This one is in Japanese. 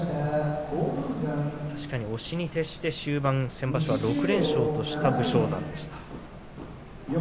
確かに押しに徹して終盤６連勝とした武将山でした。